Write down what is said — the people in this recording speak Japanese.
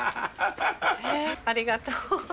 ありがとう。